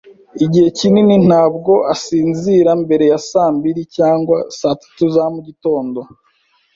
Igihe kinini, ntabwo asinzira mbere ya saa mbiri cyangwa saa tatu za mugitondo.